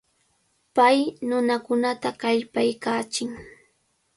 Pay nunakunata kallpakachin.